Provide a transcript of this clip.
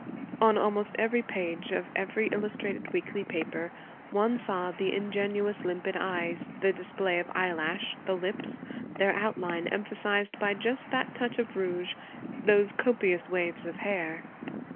On almost every page of every illustrated weekly paper, one saw the ingenuous, limpid eyes, the display of eyelash, the lips, their outline emphasized by just that touch of rouge, those copious waves of hair.